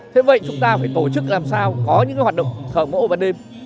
thế vậy chúng ta phải tổ chức làm sao có những hoạt động thờ mẫu và đêm